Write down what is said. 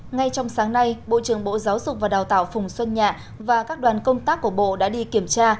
ngay trong sáng nay bộ trưởng bộ giáo dục và đào tạo phùng xuân nhạ và các đoàn công tác của bộ đã đi kiểm tra